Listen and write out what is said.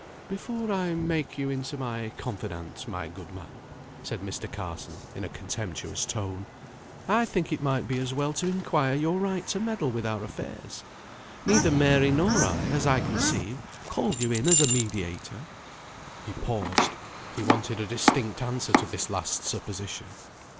"Before I make you into my confidant, my good man," said Mr. Carson, in a contemptuous tone, "I think it might be as well to inquire your right to meddle with our affairs. Neither Mary nor I, as I conceive, called you in as a mediator." He paused; he wanted a distinct answer to this last supposition.